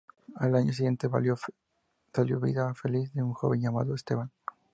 Al año siguiente salió "Vida feliz de un joven llamado Esteban".